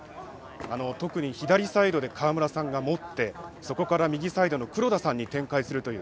特に左サイドで川村さんが持ちそこから右サイドの黒田さんに展開するという。